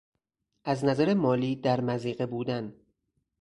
از نظر مالی در مضیقه بودن